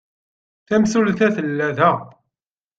Tamsulta tella da.